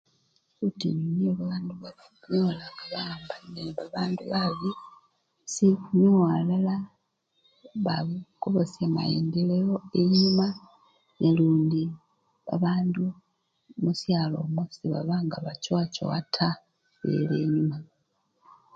Butinyu nibwo babandu banyola nga bawambanile nebabandu babi, sinyowela elala bakobosha maendeleo enyuma nalundi babandu mushalo omwo sebabanga bachowachowa taa, bela enyuma.